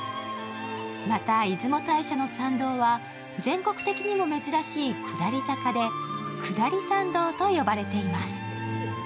また、出雲大社の参道は全国的にも珍しい下り坂で下り参道と呼ばれています。